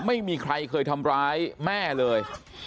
ไม่มีใครเคยทำร้ายแม่เลย